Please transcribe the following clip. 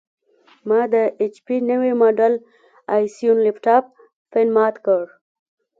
ما د ایچ پي نوي ماډل ائ سیون لېپټاپ فین پاک کړ.